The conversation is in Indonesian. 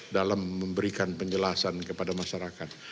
dalam memberikan penjelasan kepada masyarakat